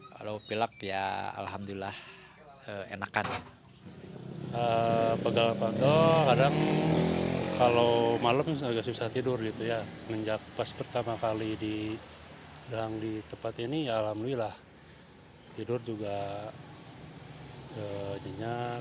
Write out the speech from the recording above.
kalau pilak ya alhamdulillah enakan